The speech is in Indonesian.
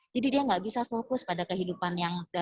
jadi dia nggak bisa fokus pada kehidupan yang